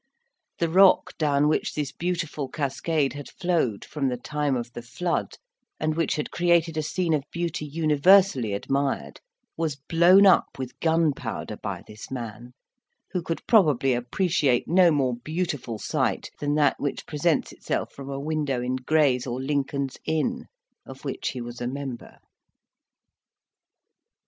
The rock down which this beautiful cascade had flowed from the time of the Flood, and which had created a scene of beauty universally admired, was blown up with gunpowder by this man, who could probably appreciate no more beautiful sight than that which presents itself from a window in Gray's or Lincoln's Inn, of which he was a member.